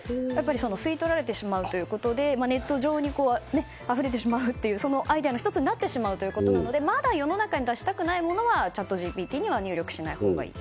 吸い取られてしまうということでネット上にあふれてしまうというアイデアの１つになってしまうということなのでまだ世の中に出したくないものはチャットＧＰＴには入力しないほうがいい。